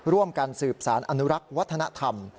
ร่วมกันสืบสารอนุรักษ์วัฒนธรรม